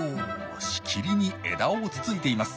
しきりに枝をつついています。